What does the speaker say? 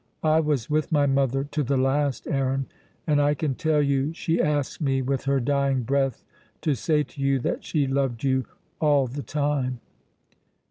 I was with my mother to the last, Aaron, and I can tell you, she asked me with her dying breath to say to you that she loved you all the time."